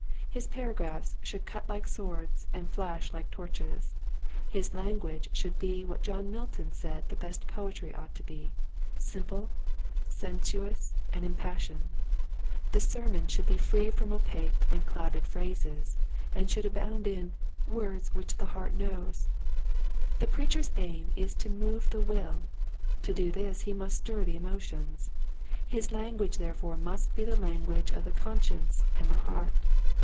His paragraphs should cut like swords and flash like torches. His language should be what John Milton said the best poetry ought to be, simple, sensuous and impas sioned. The sermon should be free from opaque and clouded phrases, and should abound in " words which the heart knows." The preacher's aim is to move the will. To do this he must stir the emotions. His language therefore must be the lan guage of the conscience and the heart.